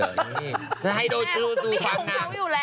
ไม่แค่ผมเขาอยู่แล้ว